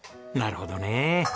なるほどね。